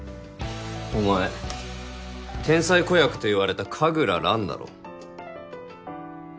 お前天才子役と言われた神楽蘭だろ。